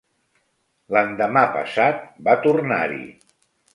L'endemà-passat va tornar-hi